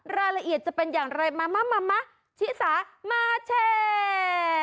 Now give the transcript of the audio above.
รายละเอียดจะเป็นอย่างไรมามะชิสามาแชร์